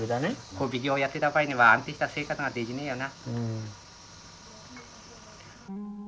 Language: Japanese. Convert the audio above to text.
帆引きをやってた場合には安定した生活ができねえよな。